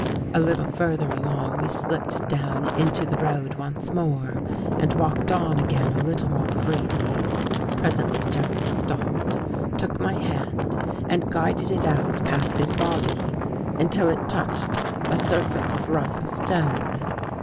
A little further along, we slipped down into the road once more and walked on again a little more freely. Presently Jeffrey stopped, took my hand and guided it out past his body, until it touched a surface of rough stone.